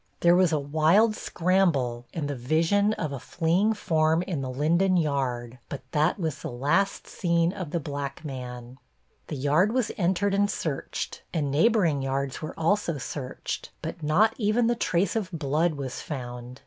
There was a wild scramble, and the vision of a fleeing form in the Linden yard, but that was the last seen of the black man. The yard was entered and searched, and neighboring yards were also searched, but not even the trace of blood was found.